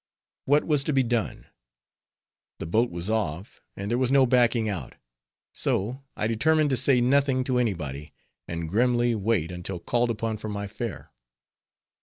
What was to be done? The boat was off, and there was no backing out; so I determined to say nothing to any body, and grimly wait until called upon for my fare.